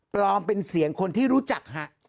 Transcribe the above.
ปลอมเป็นเสียงคนที่รู้จักฮะ